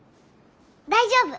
大丈夫。